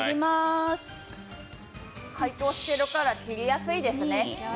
解凍してるから切りやすいですね。